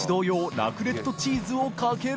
ラクレットチーズをかける祺